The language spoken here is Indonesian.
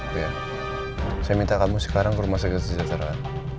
saya minta kamu sekarang ke rumah sakit sejahteraan